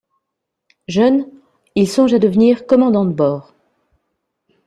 Jeune, il songe à devenir commandant de bord.